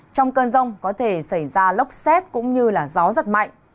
trong cơn rông có thể xảy ra lốc xét cũng như gió giật mạnh